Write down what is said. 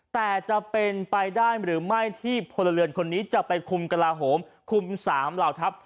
แต่จะเป็นไปได้หรือไม่ที่พลเรือนคนนี้จะไปคุมกระลาโหมคุม๓เหล่าทัพ